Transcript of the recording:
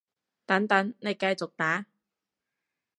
等等，你繼續打